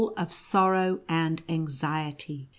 of sorrow and anxiety.